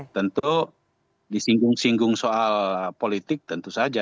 tentu disinggung singgung soal politik tentu saja